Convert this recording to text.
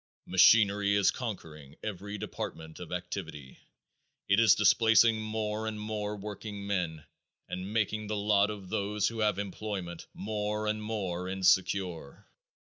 Machinery is conquering every department of activity. It is displacing more and more workingmen and making the lot of those who have employment more and more insecure.